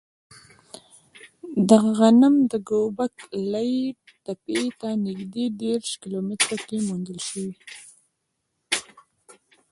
دغه غنم د ګوبک لي تپې ته نږدې دېرش کیلو متره کې موندل شوی.